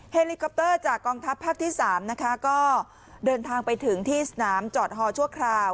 เฮลิคอปเตอร์จากกองทัพภาคที่๓นะคะก็เดินทางไปถึงที่สนามจอดฮอชั่วคราว